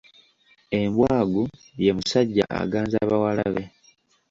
Embwagu ye musajja aganza bawala be.